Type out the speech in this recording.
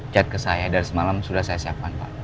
chat ke saya dari semalam sudah saya siapkan pak